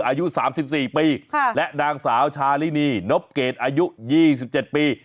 อายุ๓๔ปีและนางสาวชาลินีนบเกรดอายุ๒๗ปี